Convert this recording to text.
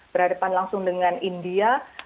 berhadapan langsung dengan india